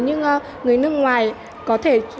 những người nước ngoài có thể